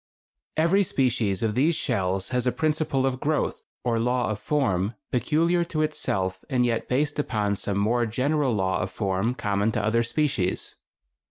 Every species of these shells has a principle of growth, or law of form, peculiar to itself and yet based upon some more general law of form common to other species....